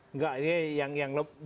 enggak ini yang bikin lebih gadul